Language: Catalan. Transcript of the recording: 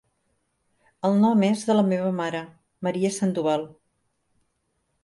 El nom és de la meva mare, Maria Sandoval.